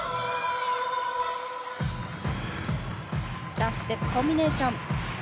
ダンスステップコンビネーション。